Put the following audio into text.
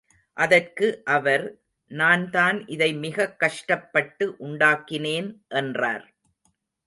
அதற்கு அவர், நான்தான் இதை மிகக் கஷ்டப்பட்டு உண்டாக்கினேன் என்றார்.